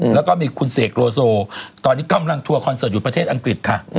แล้วก็มีคุณเสกโลโซตอนนี้กำลังทัวร์คอนเสิร์ตอยู่ประเทศอังกฤษค่ะ